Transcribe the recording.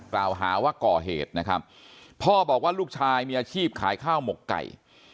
กล่าวหาว่าก่อเหตุนะครับพ่อบอกว่าลูกชายมีอาชีพขายข้าวหมกไก่